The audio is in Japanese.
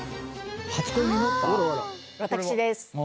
私です。